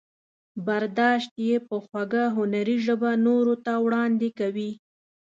برداشت یې په خوږه هنري ژبه نورو ته وړاندې کوي.